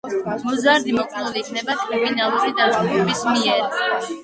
მოზარდი მოკლული იქნება კრიმინალური დაჯგუფების მიერ.